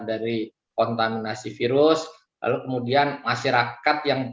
dari kontaminasi virus lalu kemudian masyarakat yang